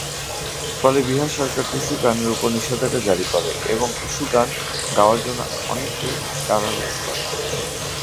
ফলে বিহার সরকার টুসু গানের উপর নিষেধাজ্ঞা জারি করে এবং টুসু গান গাওয়ার জন্য অনেককে কারারুদ্ধ করে।